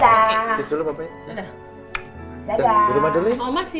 lalu gak pergi pergi